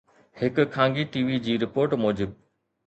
هڪ خانگي T V جي رپورٽ موجب